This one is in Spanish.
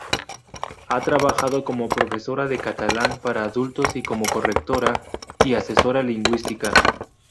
Ha trabajado como profesora de catalán para adultos y como correctora y asesora lingüística.